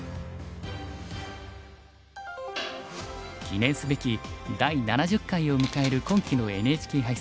記念すべき第７０回を迎える今期のＮＨＫ杯戦。